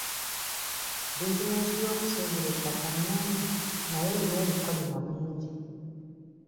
Bizinesi y'okusuubula ettaka nnungi naye erimu ebikolimo bingi.